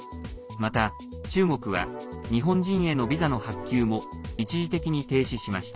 また中国は日本人へのビザの発給も一時的に停止しました。